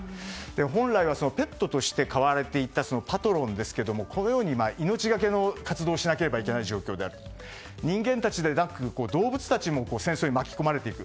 本来はペットとして飼われていたパトロンですがこのように命がけの活動をしなければいけない状況で人間たちでなく動物たちも戦争に巻き込まれていく。